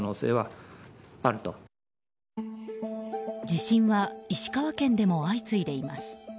地震は石川県でも相次いでいます。